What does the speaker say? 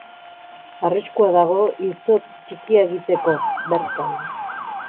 Arriskua dago izotz txikia egiteko, bertan.